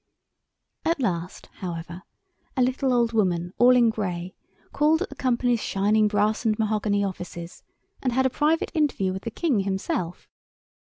At last, however, a little old woman all in grey called at the Company's shining brass and mahogany offices and had a private interview with the King himself.